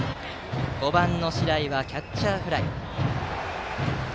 ５番の白井はキャッチャーフライ。